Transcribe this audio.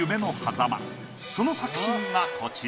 その作品がこちら。